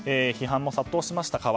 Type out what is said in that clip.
批判も殺到しました。